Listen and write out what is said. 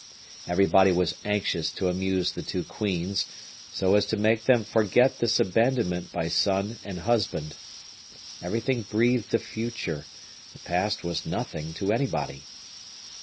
Everybody was anxious to amuse the two queens, so as to make them forget this abandonment by son and husband. Everything breathed the future, the past was nothing to anybody.